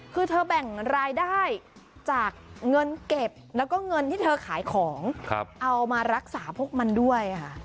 คือเธอแบ่งรายได้จากเงินเก็บแล้วก็เงินที่เธอขายของเอามารักษาพวกมันด้วยค่ะ